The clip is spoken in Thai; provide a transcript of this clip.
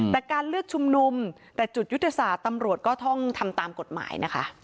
แต่การเลือกชุมนุมแต่จุดยุทธศาสตร์ตำรวจก็ต้องทำตามกฎหมายนะคะ